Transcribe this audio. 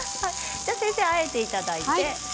じゃあ先生あえていただいて。